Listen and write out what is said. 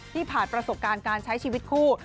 ผ่านประสบการณ์การใช้ชีวิตคู่